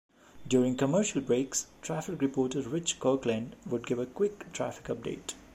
During commercial breaks, traffic reporter Rich Kirkland would give a quick traffic update.